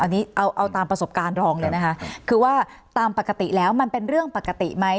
อันนี้เอาเอาตามประสบการณ์รองเลยนะคะคือว่าตามปกติแล้วมันเป็นเรื่องปกติไหม